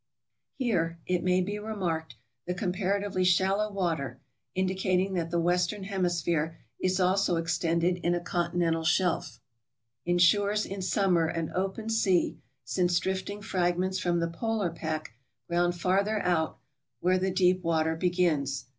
Here, it may be remarked, the comparatively shallow water (indicating that the western hemisphere is also extended in a continental shelf) insures in summer an open sea, since drifting fragments from the polar pack ground farther out where the deep water begins.